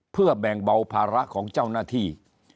เพื่อแบ่งเบาภาระของเจ้าหน้าที่